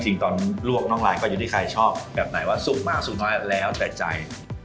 จริงตอนลวกน้องลายก็อยู่ที่ใครชอบแบบไหนว่าสุกมากสุกน้อยแล้วแต่ใจ